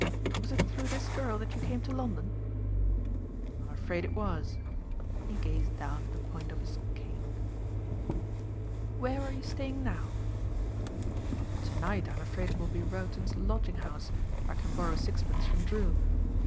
Was it through this girl that you came to London?" "I'm afraid it was." He gazed down at the point of his cane. LADY DREWITFS ALARM S87 It it It tt Whcre are you staying now?" "To night I'm afraid it will be Rowton Lodging House, if I can borrow sixpence from Drew."